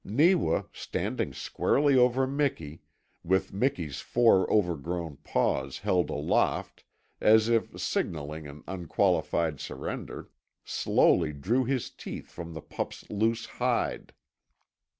Neewa, standing squarely over Miki, with Miki's four over grown paws held aloft as if signalling an unqualified surrender, slowly drew his teeth from the pup's loose hide.